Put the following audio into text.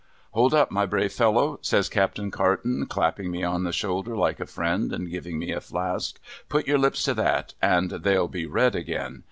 ' Hold up, my brave fellow,' says Captain Carton, clapping me on the shoulder like a friend, and giving me a flask. ' Put your lips to that, and they'll be red again.